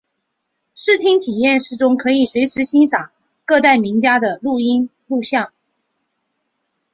视听体验室中可以随时欣赏各代名家的录音录像。